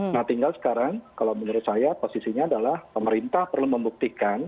nah tinggal sekarang kalau menurut saya posisinya adalah pemerintah perlu membuktikan